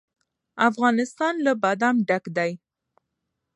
افغانستان له بادام ډک دی.